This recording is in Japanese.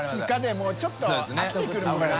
もうちょっと飽きてくるもんな。